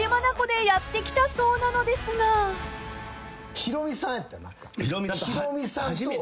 ヒロミさんやったよな。